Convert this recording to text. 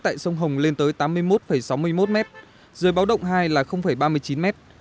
tại sông hồng lên tới tám mươi một sáu mươi một m dưới báo động hai là ba mươi chín mét